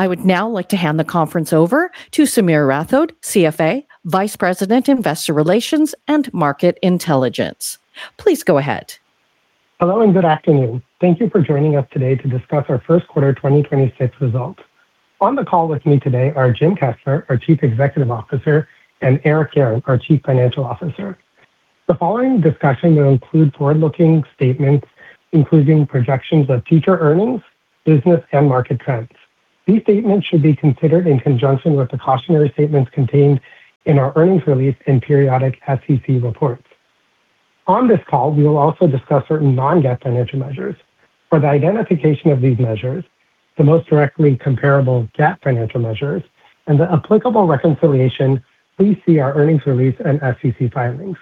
I would now like to hand the conference over to Sameer Rathod, CFA, Vice President, Investor Relations and Market Intelligence. Please go ahead. Hello, and good afternoon. Thank you for joining us today to discuss our first quarter 2026 results. On the call with me today are Jim Kessler, our Chief Executive Officer, and Eric Guerin, our Chief Financial Officer. The following discussion will include forward-looking statements, including projections of future earnings, business, and market trends. These statements should be considered in conjunction with the cautionary statements contained in our earnings release and periodic SEC reports. On this call, we will also discuss certain non-GAAP financial measures. For the identification of these measures, the most directly comparable GAAP financial measures, and the applicable reconciliation, please see our earnings release and SEC filings.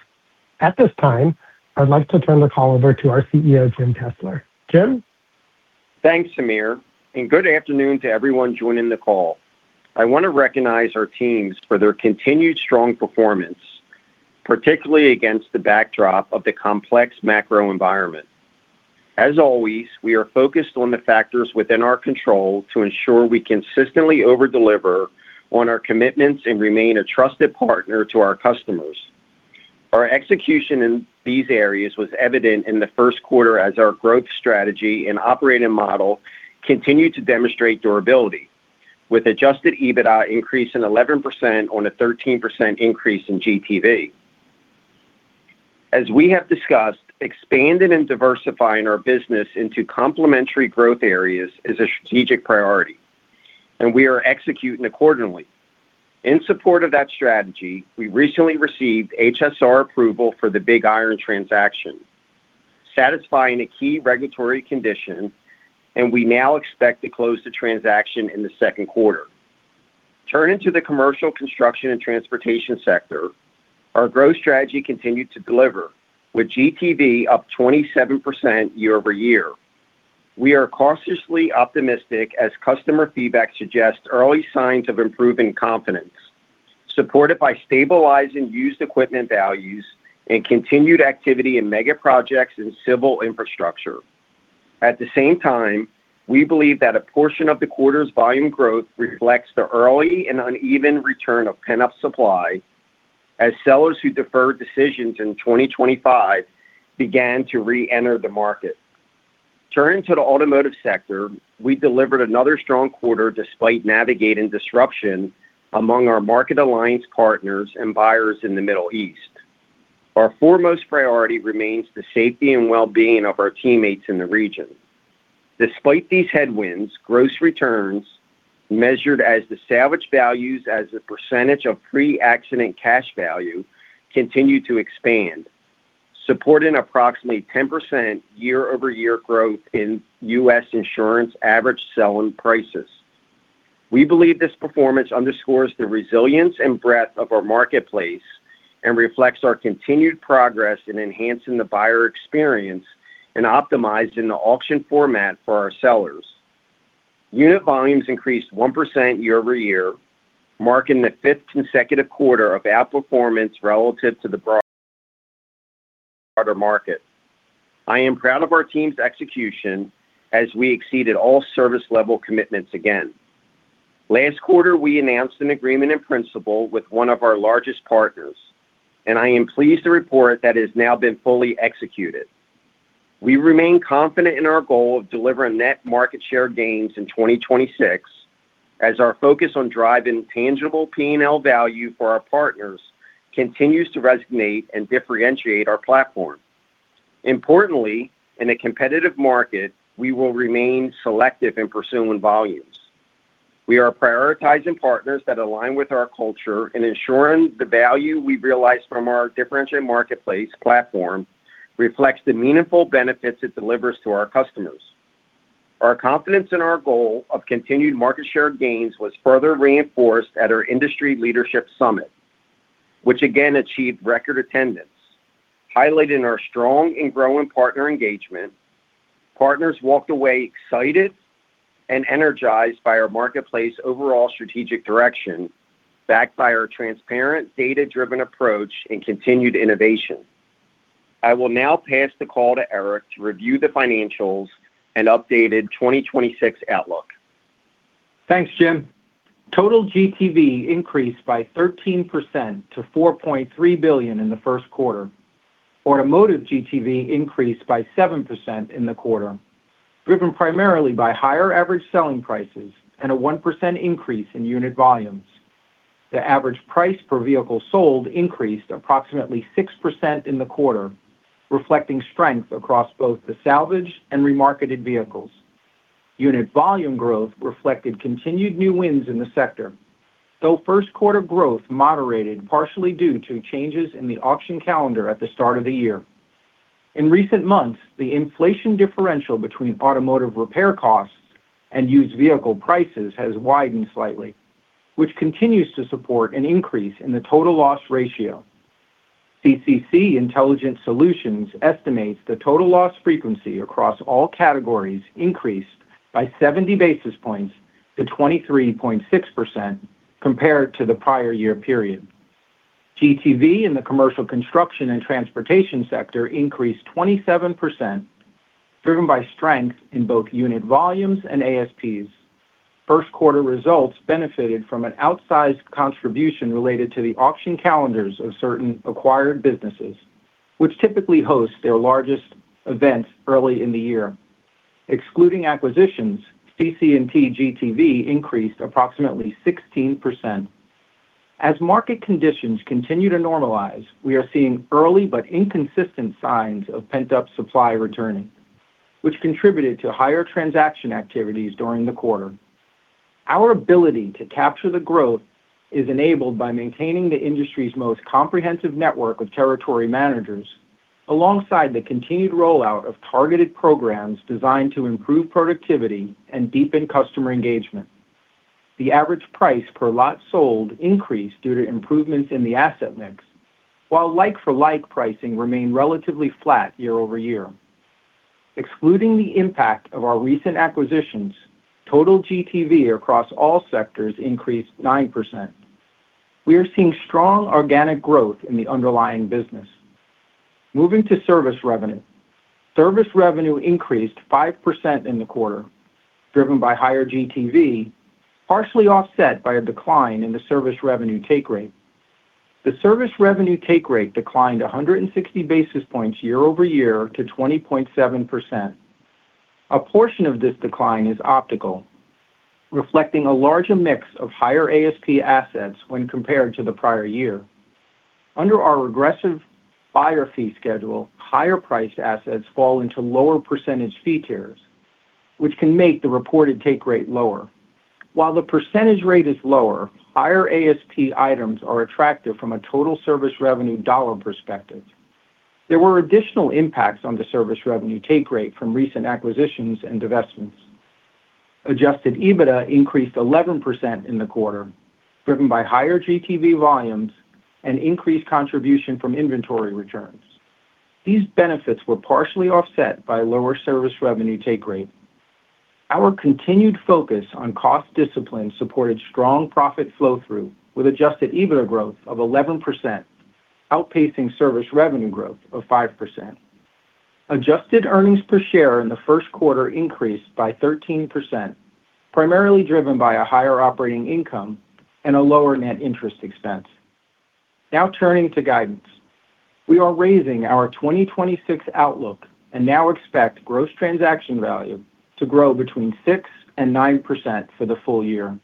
At this time, I'd like to turn the call over to our CEO, Jim Kessler. Jim? Thanks, Sameer. Good afternoon to everyone joining the call. I want to recognize our teams for their continued strong performance, particularly against the backdrop of the complex macro environment. As always, we are focused on the factors within our control to ensure we consistently over-deliver on our commitments and remain a trusted partner to our customers. Our execution in these areas was evident in the first quarter as our growth strategy and operating model continued to demonstrate durability, with adjusted EBITDA increasing 11% on a 13% increase in GTV. As we have discussed, expanding and diversifying our business into complementary growth areas is a strategic priority, and we are executing accordingly. In support of that strategy, we recently received HSR approval for the BigIron transaction, satisfying a key regulatory condition, and we now expect to close the transaction in the second quarter. Turning to the commercial construction and transportation sector, our growth strategy continued to deliver with GTV up 27% year-over-year. We are cautiously optimistic as customer feedback suggests early signs of improving confidence, supported by stabilizing used equipment values and continued activity in mega projects and civil infrastructure. At the same time, we believe that a portion of the quarter's volume growth reflects the early and uneven return of pent-up supply as sellers who deferred decisions in 2025 began to reenter the market. Turning to the automotive sector, we delivered another strong quarter despite navigating disruption among our Market Alliance partners and buyers in the Middle East. Our foremost priority remains the safety and well-being of our teammates in the region. Despite these headwinds, gross returns measured as the salvage values as a percentage of pre-accident cash value continue to expand, supporting approximately 10% year-over-year growth in U.S. insurance average selling prices. We believe this performance underscores the resilience and breadth of our marketplace and reflects our continued progress in enhancing the buyer experience and optimizing the auction format for our sellers. Unit volumes increased 1% year over year, marking the fifth consecutive quarter of outperformance relative to the broader market. I am proud of our team's execution as we exceeded all service level commitments again. Last quarter, we announced an agreement in principle with one of our largest partners, and I am pleased to report that it has now been fully executed. We remain confident in our goal of delivering net market share gains in 2026 as our focus on driving tangible P&L value for our partners continues to resonate and differentiate our platform. Importantly, in a competitive market, we will remain selective in pursuing volumes. We are prioritizing partners that align with our culture and ensuring the value we realize from our differentiated marketplace platform reflects the meaningful benefits it delivers to our customers. Our confidence in our goal of continued market share gains was further reinforced at our industry leadership summit, which again achieved record attendance, highlighting our strong and growing partner engagement. Partners walked away excited and energized by our marketplace overall strategic direction backed by our transparent data-driven approach and continued innovation. I will now pass the call to Eric to review the financials and updated 2026 outlook. Thanks, Jim. Total GTV increased by 13% to $4.3 billion in the first quarter. Automotive GTV increased by 7% in the quarter, driven primarily by higher average selling prices and a 1% increase in unit volumes. The average price per vehicle sold increased approximately 6% in the quarter, reflecting strength across both the salvage and remarketed vehicles. Unit volume growth reflected continued new wins in the sector, though first quarter growth moderated partially due to changes in the auction calendar at the start of the year. In recent months, the inflation differential between automotive repair costs and used vehicle prices has widened slightly, which continues to support an increase in the total loss ratio. CCC Intelligent Solutions estimates the total loss frequency across all categories increased by 70 basis points to 23.6% compared to the prior year period. GTV in the commercial construction and transportation sector increased 27%, driven by strength in both unit volumes and ASPs. First quarter results benefited from an outsized contribution related to the auction calendars of certain acquired businesses, which typically host their largest events early in the year. Excluding acquisitions, CC&T GTV increased approximately 16%. As market conditions continue to normalize, we are seeing early but inconsistent signs of pent-up supply returning, which contributed to higher transaction activities during the quarter. Our ability to capture the growth is enabled by maintaining the industry's most comprehensive network of territory managers, alongside the continued rollout of targeted programs designed to improve productivity and deepen customer engagement. The average price per lot sold increased due to improvements in the asset mix, while like for like pricing remained relatively flat year-over-year. Excluding the impact of our recent acquisitions, total GTV across all sectors increased 9%. We are seeing strong organic growth in the underlying business. Moving to service revenue. Service revenue increased 5% in the quarter, driven by higher GTV, partially offset by a decline in the service revenue take rate. The service revenue take rate declined 160 basis points year-over-year to 20.7%. A portion of this decline is optical, reflecting a larger mix of higher ASP assets when compared to the prior year. Under our regressive buyer fee schedule, higher priced assets fall into lower percentage fee tiers, which can make the reported take rate lower. While the percentage rate is lower, higher ASP items are attractive from a total service revenue dollar perspective. There were additional impacts on the service revenue take rate from recent acquisitions and divestments. Adjusted EBITDA increased 11% in the quarter, driven by higher GTV volumes and increased contribution from inventory returns. These benefits were partially offset by lower service revenue take rate. Our continued focus on cost discipline supported strong profit flow through with Adjusted EBITDA growth of 11%, outpacing service revenue growth of 5%. Adjusted earnings per share in the first quarter increased by 13%, primarily driven by a higher operating income and a lower net interest expense. Now turning to guidance. We are raising our 2026 outlook and now expect gross transaction value to grow between 6%-9% for the full year,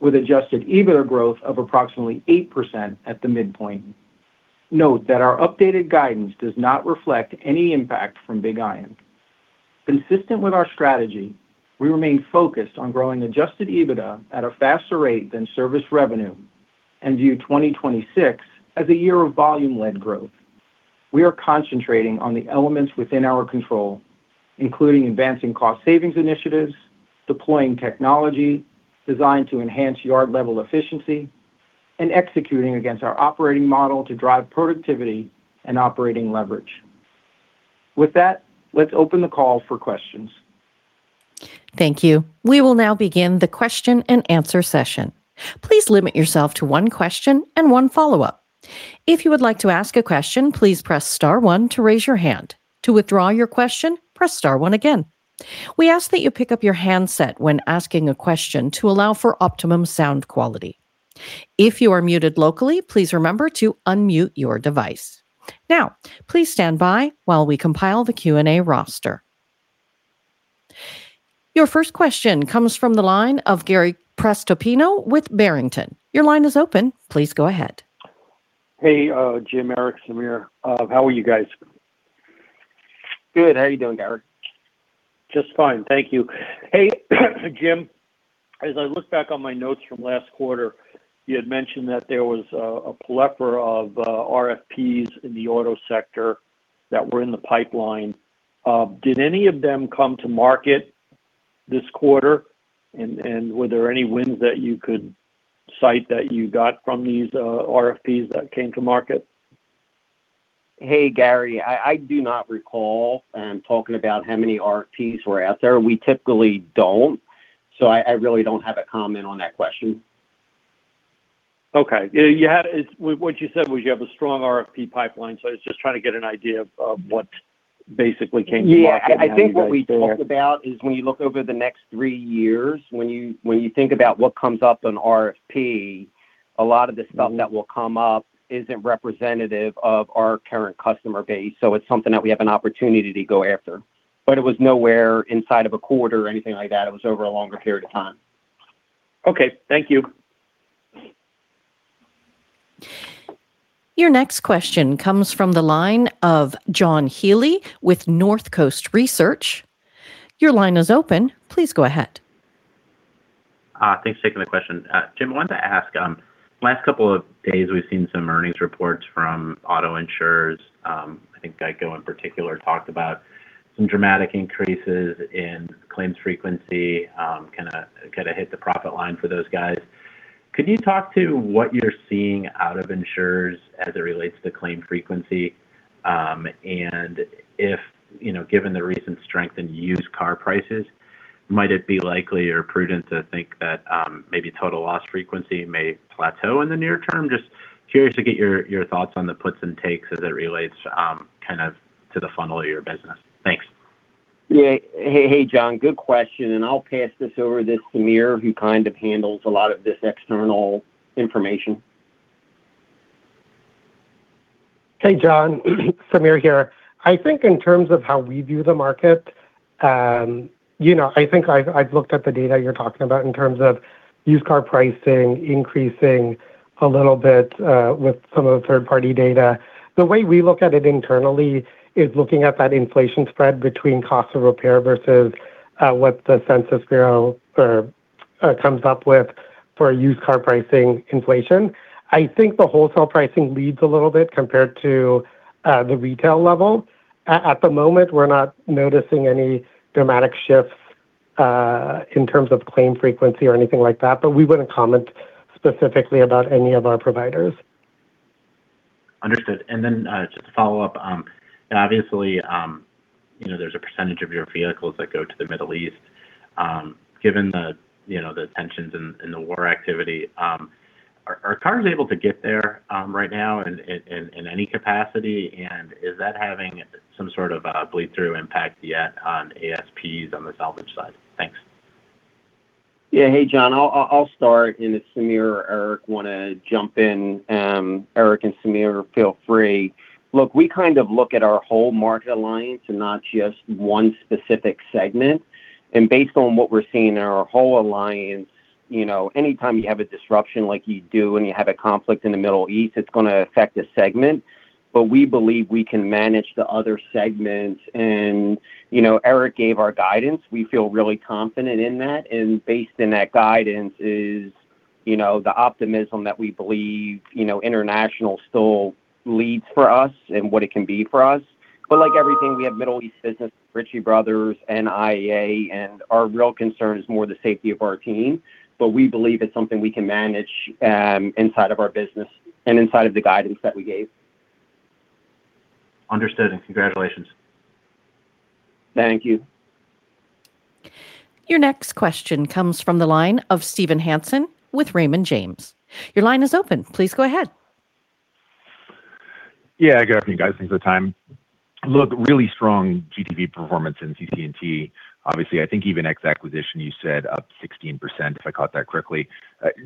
with adjusted EBITDA growth of approximately 8% at the midpoint. Note that our updated guidance does not reflect any impact from BigIron. Consistent with our strategy, we remain focused on growing adjusted EBITDA at a faster rate than service revenue and view 2026 as a year of volume-led growth. We are concentrating on the elements within our control, including advancing cost savings initiatives, deploying technology designed to enhance yard level efficiency, and executing against our operating model to drive productivity and operating leverage. With that, let's open the call for questions. Thank you. We will now begin the question and answer session. Please limit yourself to one question and one follow-up. If you would like to ask a question, please press star one to raise your hand. To withdraw your question, press star one again. We ask that you pick up your handset when asking a question to allow for optimum sound quality. If you are muted locally, please remember to unmute your device. Now, please stand by while we compile the Q&A roster. Your first question comes from the line of Gary Prestopino with Barrington. Your line is open. Please go ahead. Hey, Jim, Eric, Sameer. How are you guys? Good. How are you doing, Gary? Just fine, thank you. Hey, Jim, as I look back on my notes from last quarter, you had mentioned that there was a plethora of RFPs in the auto sector that were in the pipeline. Did any of them come to market this quarter, and were there any wins that you could cite that you got from these RFPs that came to market? Hey, Gary. I do not recall talking about how many RFPs were out there. We typically don't. I really don't have a comment on that question. Okay. You had what you said was you have a strong RFP pipeline, so I was just trying to get an idea of what basically came to market and how many guys? Yeah. I think what we talked about is when you look over the next three years, when you think about what comes up on RFP, a lot of the stuff that will come up isn't representative of our current customer base. It's something that we have an opportunity to go after. It was nowhere inside of a quarter or anything like that. It was over a longer period of time. Okay. Thank you. Your next question comes from the line of John Healy with Northcoast Research. Your line is open. Please go ahead. Thanks for taking the question. Jim, I wanted to ask, the last couple of days we've seen some earnings reports from auto insurers. I think GEICO in particular talked about some dramatic increases in claims frequency, kinda hit the profit line for those guys. Could you talk to what you're seeing out of insurers as it relates to claim frequency? If, you know, given the recent strength in used car prices, might it be likely or prudent to think that, maybe total loss frequency may plateau in the near term? Just curious to get your thoughts on the puts and takes as it relates, kind of to the funnel of your business. Thanks. Yeah. Hey, hey John, good question, and I'll pass this over to Sameer, who kind of handles a lot of this external information. Hey, John. Sameer here. I think in terms of how we view the market, you know, I think I've looked at the data you're talking about in terms of used car pricing increasing a little bit with some of the third-party data. The way we look at it internally is looking at that inflation spread between cost of repair versus what the U.S. Census Bureau comes up with for used car pricing inflation. I think the wholesale pricing leads a little bit compared to the retail level. At the moment, we're not noticing any dramatic shifts in terms of claim frequency or anything like that, but we wouldn't comment specifically about any of our providers. Understood. Just to follow up, obviously, you know, there's a percentage of your vehicles that go to the Middle East. Given the, you know, the tensions and the war activity, are cars able to get there right now in any capacity? Is that having some sort of a bleed-through impact yet on ASPs on the salvage side? Thanks. Yeah. Hey, John, I'll start, and if Sameer, Eric wanna jump in, Eric and Sameer, feel free. Look, we kind of look at our whole Market Alliance and not just one specific segment. Based on what we're seeing in our whole alliance, you know, anytime you have a disruption like you do and you have a conflict in the Middle East, it's gonna affect a segment. We believe we can manage the other segments. You know, Eric gave our guidance. We feel really confident in that. Based in that guidance is, you know, the optimism that we believe, you know, international still leads for us and what it can be for us. Like everything, we have Middle East business with Ritchie Bros. and IAA, and our real concern is more the safety of our team. We believe it's something we can manage, inside of our business and inside of the guidance that we gave. Understood, and congratulations. Thank you. Your next question comes from the line of Steven Hansen with Raymond James. Your line is open. Please go ahead. Good afternoon, guys. Thanks for the time. Really strong GTV performance in CC&T. Obviously, I think even ex acquisition, you said up 16%, if I caught that correctly.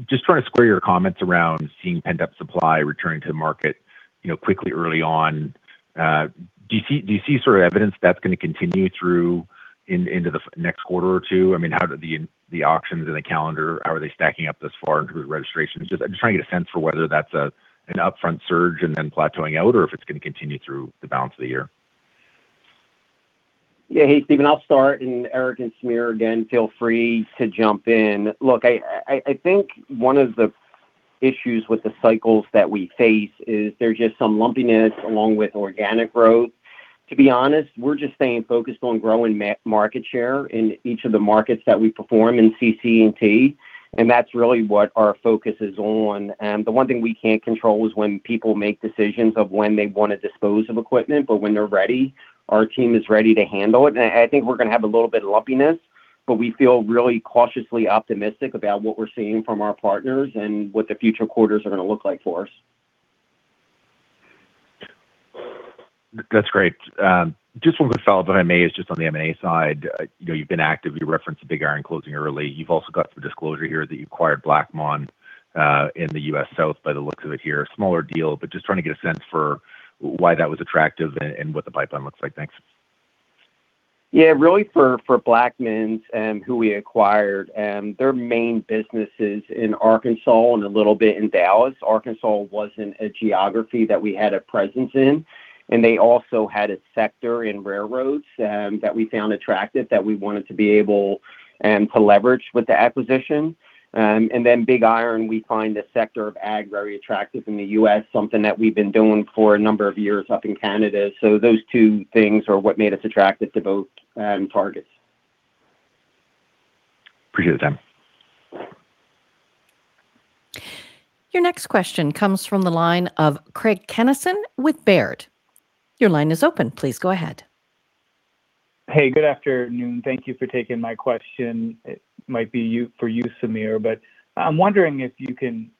Just trying to square your comments around seeing pent-up supply returning to the market, you know, quickly early on. Do you see sort of evidence that's gonna continue in, into the next quarter or two? I mean, how do the auctions and the calendar, how are they stacking up thus far in terms of registrations? Just, I'm just trying to get a sense for whether that's an upfront surge and then plateauing out, or if it's gonna continue through the balance of the year. Yeah. Hey, Steven, I'll start. Eric and Sameer, again, feel free to jump in. Look, I think one of the issues with the cycles that we face is there's just some lumpiness along with organic growth. To be honest, we're just staying focused on growing market share in each of the markets that we perform in CC&T, and that's really what our focus is on. The one thing we can't control is when people make decisions of when they want to dispose of equipment. When they're ready, our team is ready to handle it. I think we're gonna have a little bit of lumpiness, but we feel really cautiously optimistic about what we're seeing from our partners and what the future quarters are gonna look like for us. That's great. Just one quick follow-up, if I may. It's just on the M&A side. You know, you've been active. You referenced BigIron closing early. You've also got some disclosure here that you acquired Blackmon, in the U.S. South, by the looks of it here. A smaller deal, but just trying to get a sense for why that was attractive and what the pipeline looks like. Thanks. Yeah. Really for Blackmon, who we acquired, their main business is in Arkansas and a little bit in Dallas. Arkansas wasn't a geography that we had a presence in, and they also had a sector in railroads that we found attractive that we wanted to be able to leverage with the acquisition. Then BigIron, we find the sector of ag very attractive in the U.S., something that we've been doing for a number of years up in Canada. Those two things are what made us attracted to both targets. Appreciate the time. Your next question comes from the line of Craig Kennison with Baird. Your line is open. Please go ahead. Hey, good afternoon. Thank you for taking my question. It might be for you, Sameer. I'm wondering if you can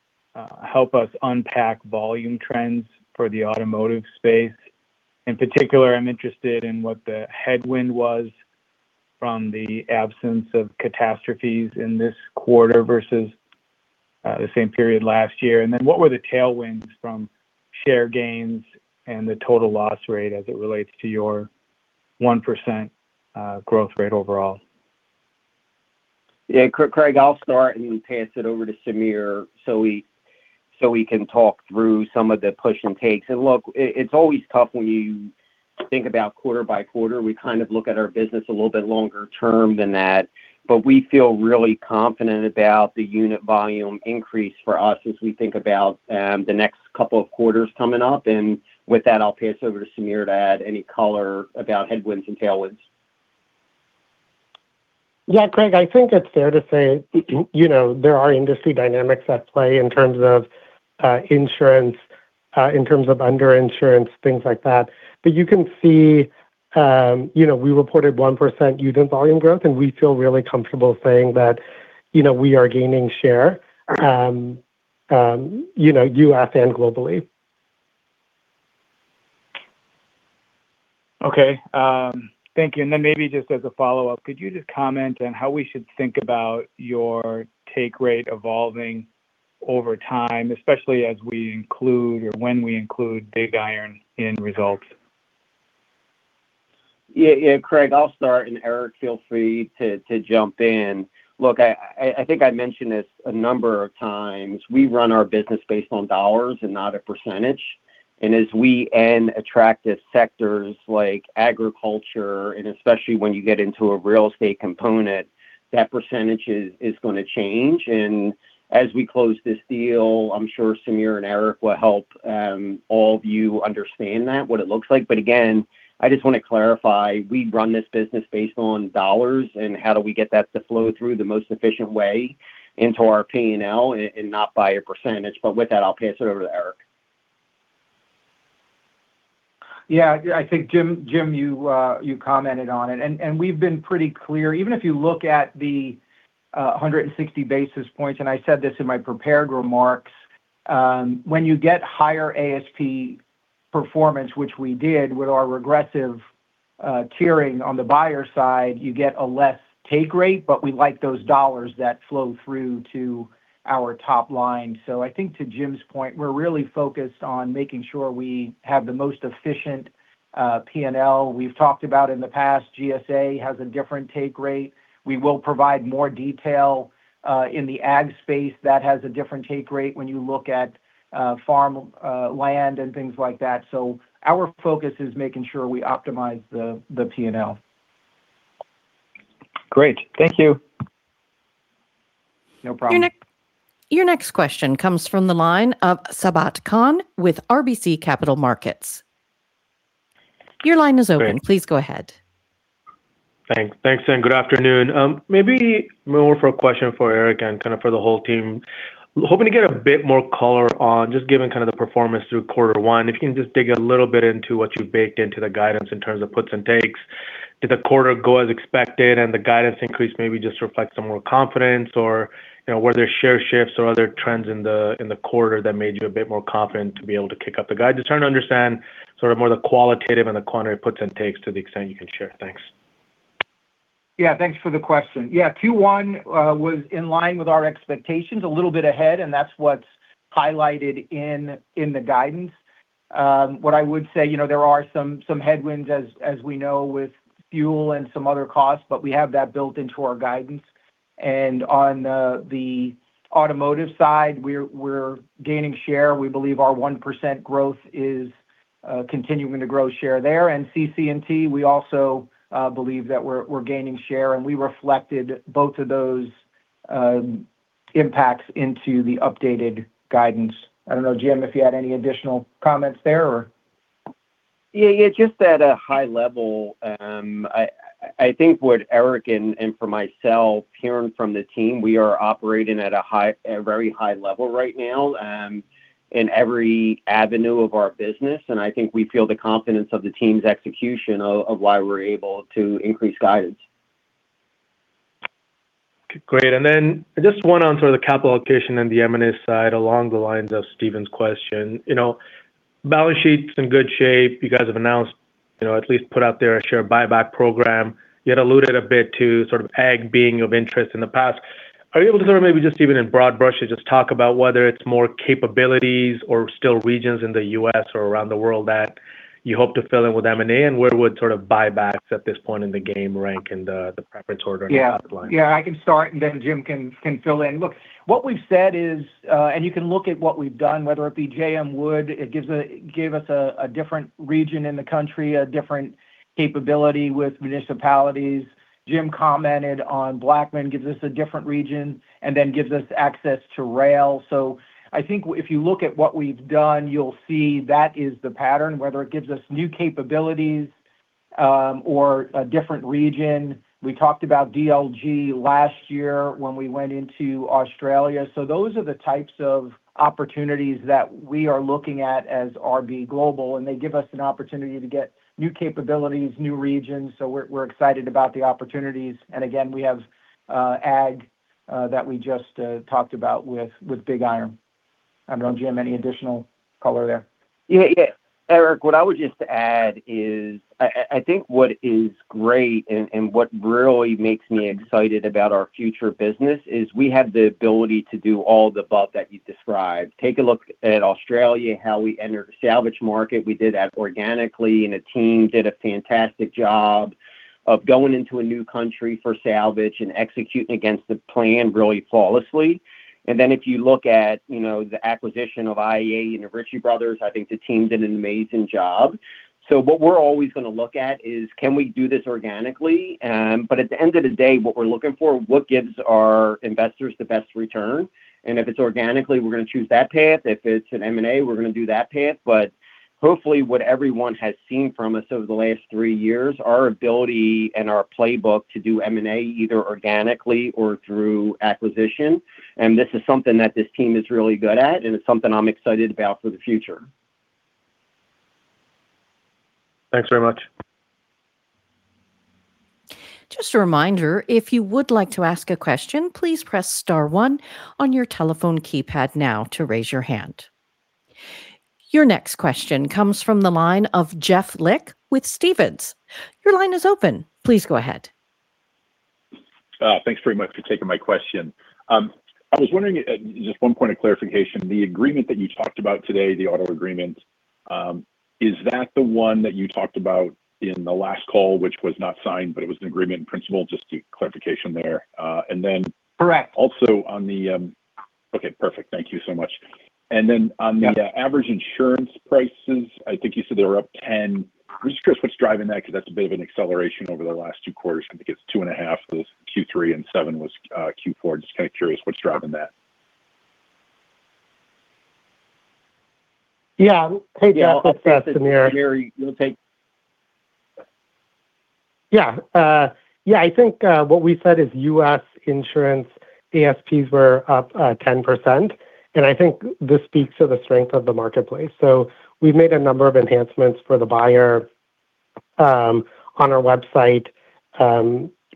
help us unpack volume trends for the automotive space. In particular, I'm interested in what the headwind was from the absence of catastrophes in this quarter versus the same period last year. What were the tailwinds from share gains and the total loss rate as it relates to your 1% growth rate overall? Yeah. Craig, I'll start and pass it over to Sameer so we can talk through some of the push and takes. Look, it's always tough when you think about quarter by quarter. We kind of look at our business a little bit longer term than that. We feel really confident about the unit volume increase for us as we think about the next couple of quarters coming up. With that, I'll pass it over to Sameer to add any color about headwinds and tailwinds. Yeah, Craig. I think it's fair to say, you know, there are industry dynamics at play in terms of insurance. In terms of underinsurance, things like that. You can see, you know, we reported 1% unit volume growth, and we feel really comfortable saying that, you know, we are gaining share, you know, U.S. and globally. Okay. Thank you. Maybe just as a follow-up, could you just comment on how we should think about your take rate evolving over time, especially as we include or when we include BigIron in results? Yeah. Yeah, Craig, I'll start, and Eric, feel free to jump in. Look, I think I mentioned this a number of times. We run our business based on dollars and not a percentage. As we then attract the sectors like agriculture, and especially when you get into a real estate component, that percentage is gonna change. As we close this deal, I'm sure Sameer and Eric will help all of you understand that, what it looks like. Again, I just wanna clarify, we run this business based on dollars and how do we get that to flow through the most efficient way into our P&L, and not by a percentage. With that, I'll pass it over to Eric. I think Jim, you commented on it. We've been pretty clear. Even if you look at the 160 basis points, and I said this in my prepared remarks, when you get higher ASP performance, which we did with our regressive tiering on the buyer side, you get a less take rate, but we like those dollars that flow through to our top line. I think to Jim's point, we're really focused on making sure we have the most efficient P&L. We've talked about in the past, GSA has a different take rate. We will provide more detail in the ag space that has a different take rate when you look at farm land and things like that. Our focus is making sure we optimize the P&L. Great. Thank you. No problem. Your next question comes from the line of Sabahat Khan with RBC Capital Markets. Your line is open. Great. Please go ahead. Thank, thanks, and good afternoon. Maybe more for a question for Eric and kind of for the whole team. Hoping to get a bit more color on just given kind of the performance through quarter one, if you can just dig a little bit into what you baked into the guidance in terms of puts and takes. Did the quarter go as expected and the guidance increase maybe just reflect some more confidence, or, you know, were there share shifts or other trends in the quarter that made you a bit more confident to be able to kick up the guide? Just trying to understand sort of more the qualitative and the quantity puts and takes to the extent you can share. Thanks. Thanks for the question. Q1 was in line with our expectations, a little bit ahead, and that's what's highlighted in the guidance. What I would say, you know, there are some headwinds as we know with fuel and some other costs, but we have that built into our guidance. On the automotive side, we're gaining share. We believe our 1% growth is continuing to grow share there. In CC&T, we also believe that we're gaining share, and we reflected both of those impacts into the updated guidance. I don't know, Jim, if you had any additional comments there or. Yeah. Just at a high level, I think what Eric and for myself hearing from the team, we are operating at a very high level right now in every avenue of our business. I think we feel the confidence of the team's execution of why we're able to increase guidance. Great. Just one on sort of the capital allocation and the M&A side along the lines of Steven's question. You know, balance sheet's in good shape. You guys have announced, you know, at least put out there a share buyback program. You had alluded a bit to sort of agriculture being of interest in the past. Are you able to sort of maybe just even in broad brushes just talk about whether it's more capabilities or still regions in the U.S. or around the world that you hope to fill in with M&A, and where would sort of buybacks at this point in the game rank in the preference order on the pipeline? Yeah. Yeah, I can start, and then Jim can fill in. Look, what we've said is, you can look at what we've done, whether it be J.M. Wood. It gave us a different region in the country, a different capability with municipalities. Jim commented on Blackmon, gives us a different region, then gives us access to rail. I think if you look at what we've done, you'll see that is the pattern, whether it gives us new capabilities or a different region. We talked about DLG last year when we went into Australia. Those are the types of opportunities that we are looking at as RB Global, they give us an opportunity to get new capabilities, new regions, we're excited about the opportunities. Again, we have, agriculture, that we just talked about with BigIron. I don't know, Jim, any additional color there? Yeah, yeah. Eric, what I would just add is I think what is great and what really makes me excited about our future business is we have the ability to do all the above that you described. Take a look at Australia, how we entered the salvage market. We did that organically, and the team did a fantastic job of going into a new country for salvage and executing against the plan really flawlessly. Then if you look at, you know, the acquisition of IAA and Ritchie Brothers, I think the team did an amazing job. What we're always gonna look at is can we do this organically? At the end of the day, what we're looking for, what gives our investors the best return? If it's organically, we're gonna choose that path. If it's an M&A, we're gonna do that path. Hopefully, what everyone has seen from us over the last three years, our ability and our playbook to do M&A either organically or through acquisition, and this is something that this team is really good at, and it's something I'm excited about for the future. Thanks very much. Just a reminder, if you would like to ask a question, please press star one on your telephone keypad now to raise your hand. Your next question comes from the line of Jeff Lick with Stephens. Your line is open. Please go ahead. Thanks very much for taking my question. I was wondering, just one point of clarification, the agreement that you talked about today, the auto agreement, is that the one that you talked about in the last call which was not signed but it was an agreement in principle? Just to clarification there. Correct... also on the. Okay, perfect. Thank you so much. Yeah average insurance prices, I think you said they were up 10%. I'm just curious what's driving that because that's a bit of an acceleration over the last two quarters. I think it's 2.5% was Q3 and 7% was Q4. Just kind of curious what's driving that. Yeah. I'll think. That's for Sameer. You want to take- What we said is U.S. insurance ASPs were up 10%, and I think this speaks to the strength of the marketplace. We've made a number of enhancements for the buyer on our website.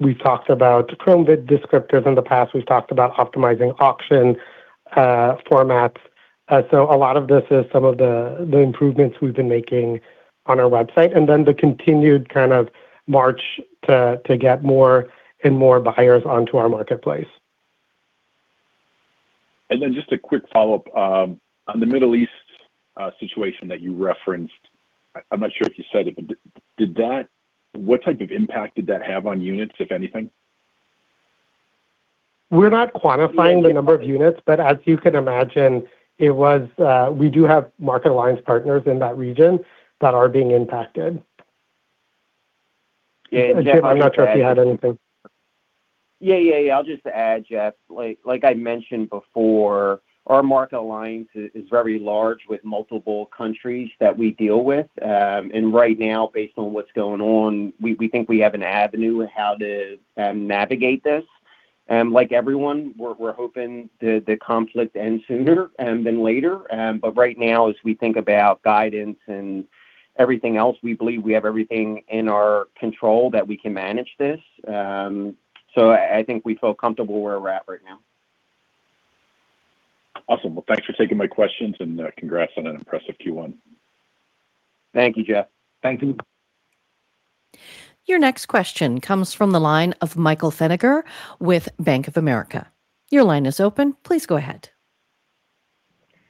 We've talked about becoming descriptive in the past. We've talked about optimizing auction formats. A lot of this is some of the improvements we've been making on our website, and then the continued kind of march to get more and more buyers onto our marketplace. Just a quick follow-up. On the Middle East situation that you referenced, I'm not sure if you said it, but what type of impact did that have on units, if anything? We're not quantifying the number of units, but as you can imagine, it was. We do have Market Alliance partners in that region that are being impacted. Yeah, Jeff, I would just add. Jim, I'm not sure if you had anything. Yeah, yeah. I'll just add, Jeff. Like I mentioned before, our Market Alliance is very large with multiple countries that we deal with. Right now, based on what's going on, we think we have an avenue of how to navigate this. Like everyone, we're hoping the conflict ends sooner than later. Right now as we think about guidance and everything else, we believe we have everything in our control that we can manage this. I think we feel comfortable where we're at right now. Awesome. Well, thanks for taking my questions, and congrats on an impressive Q1. Thank you, Jeff. Thank you. Your next question comes from the line of Michael Feniger with Bank of America. Your line is open. Please go ahead.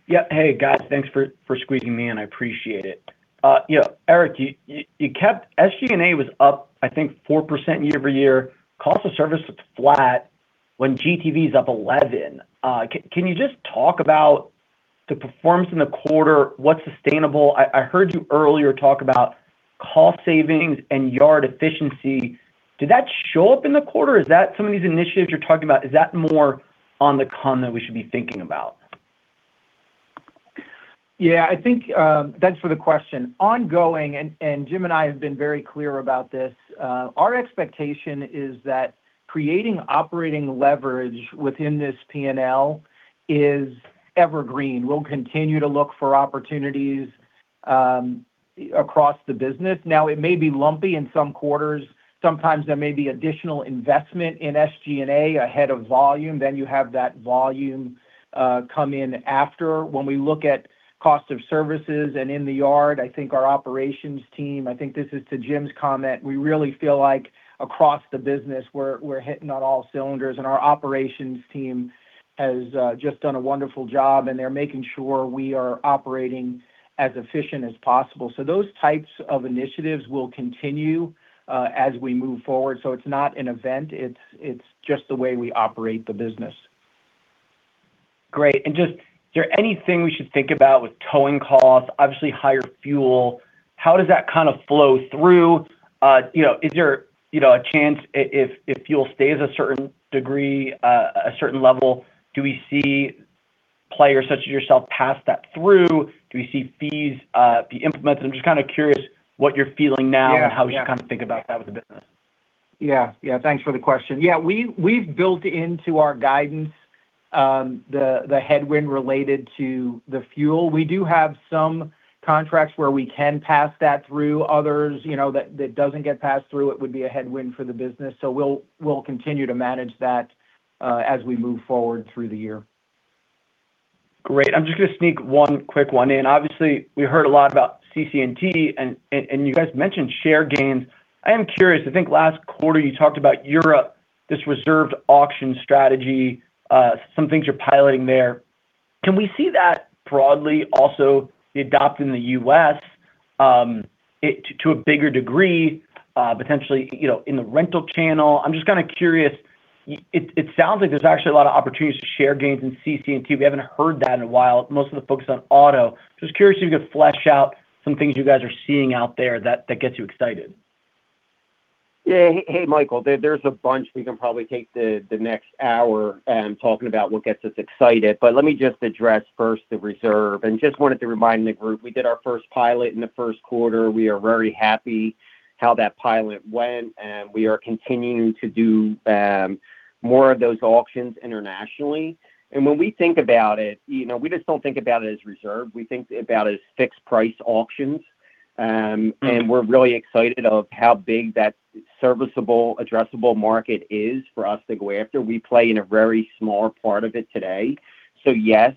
Yeah. Hey, guys. Thanks for squeezing me in. I appreciate it. Yeah, Eric, you kept SG&A was up, I think, 4% year-over-year. Cost of service was flat when GTV's up 11%. Can you just talk about the performance in the quarter, what's sustainable? I heard you earlier talk about cost savings and yard efficiency. Did that show up in the quarter? Is that some of these initiatives you're talking about, is that more on the con that we should be thinking about? Yeah. I think. Thanks for the question. Ongoing, and Jim and I have been very clear about this, our expectation is that creating operating leverage within this P&L is evergreen. We'll continue to look for opportunities across the business. Now, it may be lumpy in some quarters. Sometimes there may be additional investment in SG&A ahead of volume, then you have that volume come in after. When we look at cost of services and in the yard, I think our operations team, I think this is to Jim's comment, we really feel like across the business we're hitting on all cylinders. Our operations team has just done a wonderful job, and they're making sure we are operating as efficient as possible. Those types of initiatives will continue as we move forward. It's not an event, It's just the way we operate the business. Great. Just is there anything we should think about with towing costs? Obviously higher fuel. How does that kind of flow through? You know, is there, you know, a chance if fuel stays a certain degree, a certain level, do we see players such as yourself pass that through? Do we see fees be implemented? I'm just kind of curious what you're feeling now. Yeah. Yeah. how you kind of think about that with the business. Thanks for the question. We've built into our guidance the headwind related to the fuel. We do have some contracts where we can pass that through. Others, you know, that doesn't get passed through, it would be a headwind for the business. We'll continue to manage that as we move forward through the year. Great. I'm just going to sneak one quick one in. Obviously, we heard a lot about CC&T, and you guys mentioned share gains. I am curious. I think last quarter you talked about Europe, this reserved auction strategy, some things you're piloting there. Can we see that broadly also be adopted in the U.S. to a bigger degree, potentially, you know, in the rental channel? I'm just kind of curious. It sounds like there's actually a lot of opportunities to share gains in CC&T. We have not heard that in a while. Most of the focus is on auto. Just curious if you could flesh out some things you guys are seeing out there that gets you excited. Yeah. Hey, Michael. There's a bunch. We can probably take the next hour talking about what gets us excited. Let me just address first the reserve, and just wanted to remind the group, we did our first pilot in the first quarter. We are very happy how that pilot went, we are continuing to do more of those auctions internationally. When we think about it, you know, we just don't think about it as reserve. We think about it as fixed price auctions. We're really excited of how big that serviceable, addressable market is for us to go after. We play in a very small part of it today. Yes,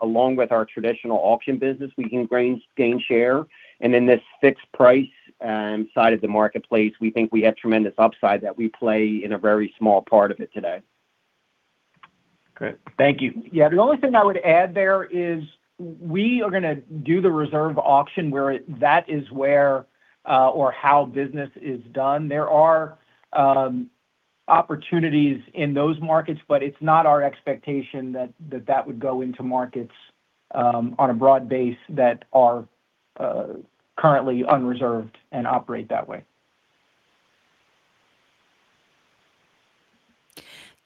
along with our traditional auction business, we can gain share. In this fixed price side of the marketplace, we think we have tremendous upside that we play in a very small part of it today. Great. Thank you. Yeah, the only thing I would add there is we are going to do the reserve auction where that is where or how business is done. There are opportunities in those markets, but it's not our expectation that that would go into markets on a broad base that are currently unreserved and operate that way.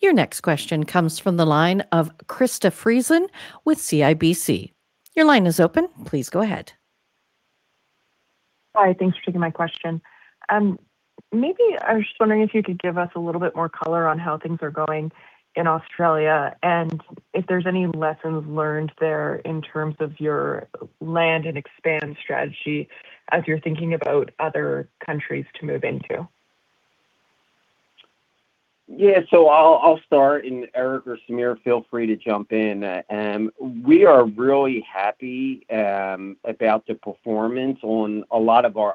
Your next question comes from the line of Krista Friesen with CIBC. Your line is open. Please go ahead. Hi, thanks for taking my question. Maybe I was just wondering if you could give us a little bit more color on how things are going in Australia, and if there's any lessons learned there in terms of your land and expand strategy as you're thinking about other countries to move into. Yeah, I'll start, and Eric or Sameer, feel free to jump in. We are really happy about the performance on a lot of our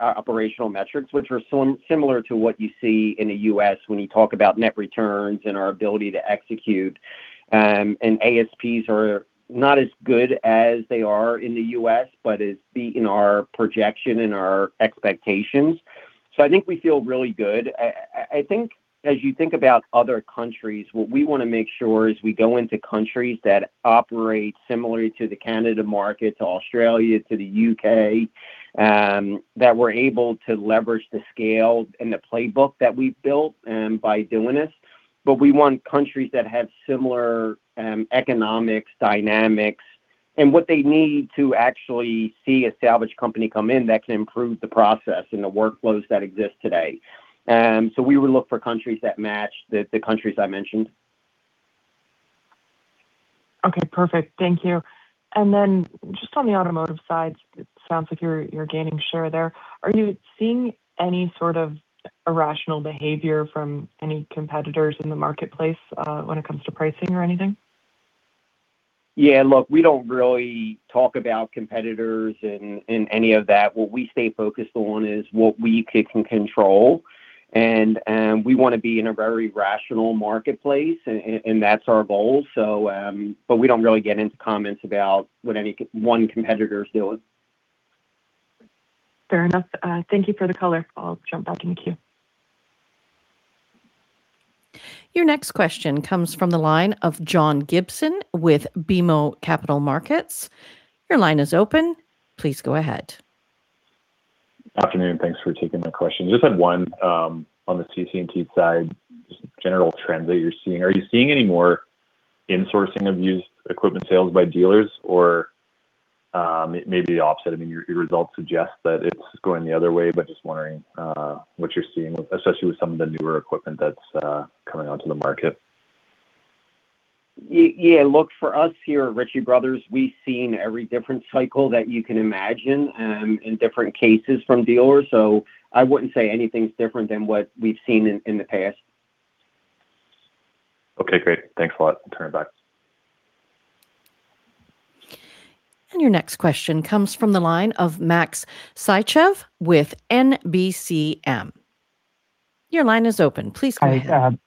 operational metrics, which are similar to what you see in the U.S. when you talk about net returns and our ability to execute. ASPs are not as good as they are in the U.S., but in our projection and our expectations. I think we feel really good. I think as you think about other countries, what we wanna make sure is we go into countries that operate similarly to the Canada market, to Australia, to the U.K., that we're able to leverage the scale and the playbook that we've built by doing this. We want countries that have similar economics, dynamics, and what they need to actually see a salvage company come in that can improve the process and the workflows that exist today. We would look for countries that match the countries I mentioned. Okay, perfect. Thank you. Just on the automotive side, it sounds like you're gaining share there. Are you seeing any sort of irrational behavior from any competitors in the marketplace when it comes to pricing or anything? Yeah, look, we don't really talk about competitors in any of that. What we stay focused on is what we can control and we wanna be in a very rational marketplace and that's our goal. But we don't really get into comments about what any one competitor is doing. Fair enough. Thank you for the color. I'll jump back in the queue. Your next question comes from the line of John Gibson with BMO Capital Markets. Your line is open. Please go ahead. Afternoon, thanks for taking my question. Just had one on the CC&T side, just general trends that you're seeing. Are you seeing any more insourcing of used equipment sales by dealers or, maybe the opposite? I mean, your results suggest that it's going the other way, but just wondering what you're seeing with, especially with some of the newer equipment that's coming onto the market. yeah, look, for us here at Ritchie Bros. we've seen every different cycle that you can imagine, in different cases from dealers. I wouldn't say anything's different than what we've seen in the past. Okay, great. Thanks a lot. Turn it back. Your next question comes from the line of Max Sytchev with NBCM. Your line is open. Please go ahead. Hi,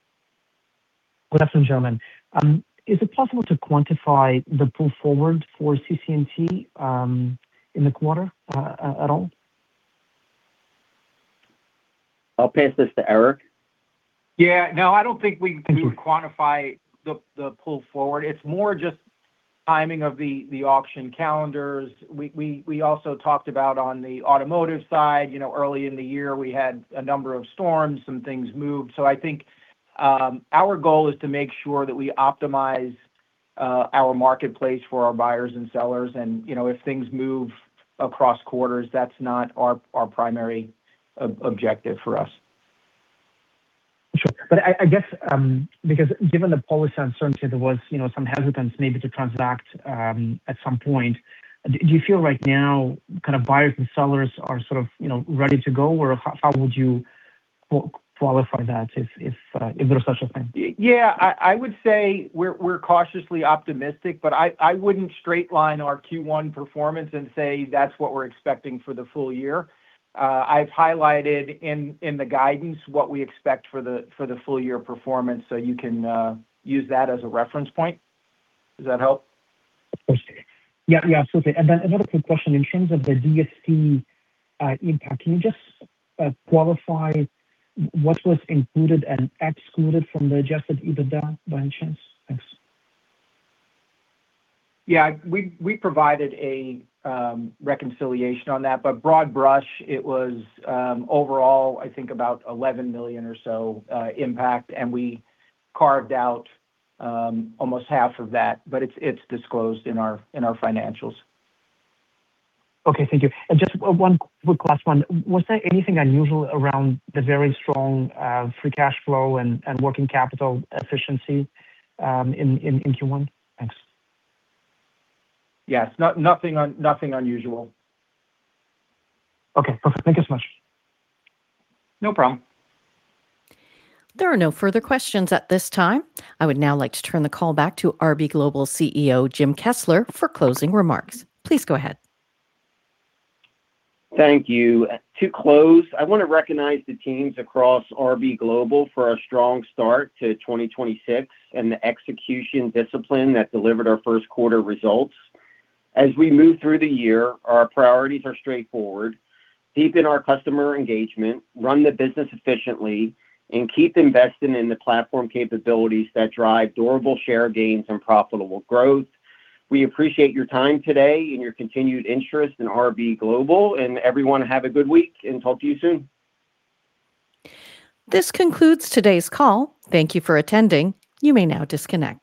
good afternoon, gentlemen. Is it possible to quantify the pull forward for CC&T in the quarter at all? I'll pass this to Eric. Yeah. No, I don't think we can quantify the pull forward. It's more just timing of the auction calendars. We also talked about on the automotive side, you know, early in the year we had a number of storms, some things moved. I think our goal is to make sure that we optimize our marketplace for our buyers and sellers and, you know, if things move across quarters, that's not our primary objective for us. Sure. I guess, because given the policy uncertainty, there was, you know, some hesitance maybe to transact at some point. Do you feel right now kind of buyers and sellers are sort of, you know, ready to go, or how would you qualify that if there's such a thing? I would say we're cautiously optimistic, but I wouldn't straight line our Q1 performance and say that's what we're expecting for the full year. I've highlighted in the guidance what we expect for the full year performance, so you can use that as a reference point. Does that help? Okay. Yeah. Yeah, absolutely. Another quick question. In terms of the DST impact, can you just qualify what was included and excluded from the adjusted EBITDA by any chance? Thanks. Yeah. We provided a reconciliation on that. Broad brush, it was overall I think about $11 million or so impact, and we carved out almost half of that, but it's disclosed in our financials. Okay, thank you. Just one quick last one. Was there anything unusual around the very strong free cash flow and working capital efficiency in Q1? Thanks. Yes. Nothing unusual. Okay. Okay. Thank you so much. No problem. There are no further questions at this time. I would now like to turn the call back to RB Global CEO, Jim Kessler for closing remarks. Please go ahead. Thank you. To close, I wanna recognize the teams across RB Global for our strong start to 2026 and the execution discipline that delivered our first quarter results. As we move through the year, our priorities are straightforward. Deepen our customer engagement, run the business efficiently, and keep investing in the platform capabilities that drive durable share gains and profitable growth. We appreciate your time today and your continued interest in RB Global. Everyone have a good week, and talk to you soon. This concludes today's call. Thank you for attending. You may now disconnect.